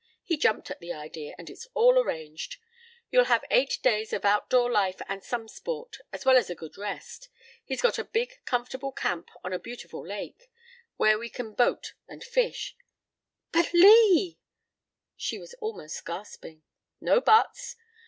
He jumped at the idea and it's all arranged. You'll have eight days of outdoor life and some sport, as well as a good rest. He's got a big comfortable camp on a beautiful lake, where we can boat and fish " "But Lee " She was almost gasping. "No buts.